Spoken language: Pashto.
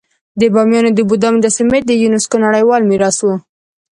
د بامیانو د بودا مجسمې د یونسکو نړیوال میراث وو